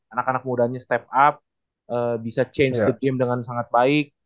anak anak mudanya step up bisa change the game dengan sangat baik